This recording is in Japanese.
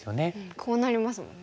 こうなりますもんね。